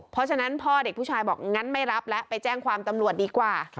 เพราะฉะนั้นพ่อเด็กผู้ชายบอกงั้นไม่รับแล้วไปแจ้งความตำรวจดีกว่า